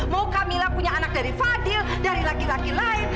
mau camillah punya anak dari fadil dari laki laki lain